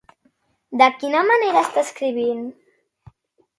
I de quina manera està escrit?